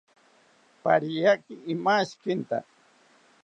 Pariaki imashikinta